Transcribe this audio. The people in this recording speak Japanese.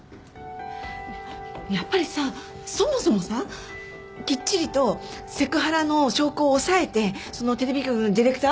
やっぱりさそもそもさきっちりとセクハラの証拠を押さえてそのテレビ局のディレクター？